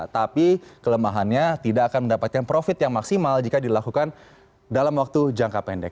tapi kelemahannya tidak akan mendapatkan profit yang maksimal jika dilakukan dalam waktu jangka pendek